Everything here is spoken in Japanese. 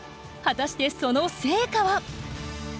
果たしてその成果は？